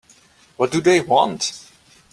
What do they want?